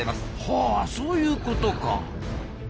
はそういうことか。